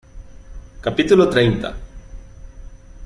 capítulo treinta.